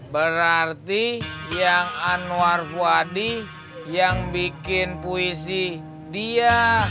berarti yang anwar fuadi yang bikin puisi dia